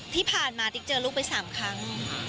ที่ผ่านมาติ๊กเจอลูกไป๓ครั้ง